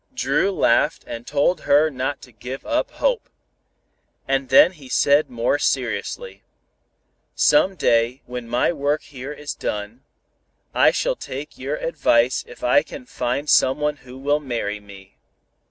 Dru laughed and told her not to give up hope. And then he said more seriously "Some day when my work here is done, I shall take your advice if I can find someone who will marry me."